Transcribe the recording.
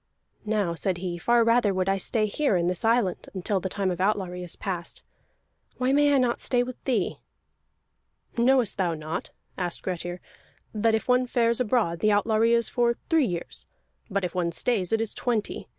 "Now," said he, "far rather would I stay here in this island, until the time of outlawry is past. Why may I not stay with thee?" "Knowest thou not," asked Grettir, "that if one fares abroad the outlawry is for three years, but if one stays it is twenty?